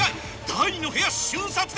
第２の部屋瞬殺です。